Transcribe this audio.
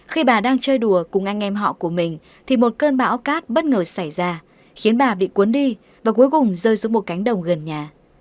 khi bà đang chơi đùa cùng anh em họ của mình thì một cơn bão cát bất ngờ xảy ra khiến bà bị cuốn đi và cuối cùng rơi xuống một cánh đồng gần nhà